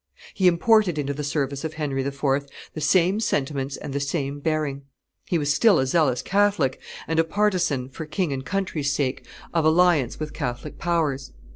He imported into the service of Henry IV. the same sentiments and the same bearing; he was still a zealous Catholic, and a partisan, for king and country's sake, of alliance with Catholic powers.